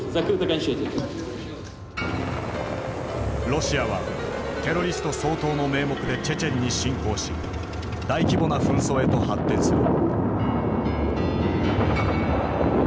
ロシアはテロリスト掃討の名目でチェチェンに侵攻し大規模な紛争へと発展する。